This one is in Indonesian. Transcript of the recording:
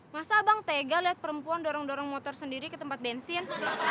masa bang tega lihat perempuan dorong dorong motor sendiri ke tempat bensin